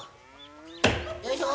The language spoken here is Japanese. よいしょ。